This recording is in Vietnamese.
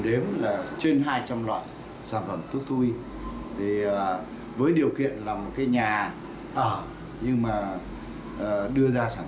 đếm là trên hai trăm linh loại sản phẩm thuốc thì với điều kiện là một cái nhà ở nhưng mà đưa ra sản